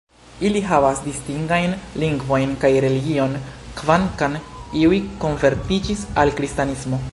Ili havas distingajn lingvon kaj religion, kvankam iuj konvertiĝis al Kristanismo.